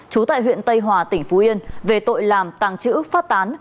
trú tại huyện tây hòa tỉnh phú yên về tội làm tàng trữ phát tán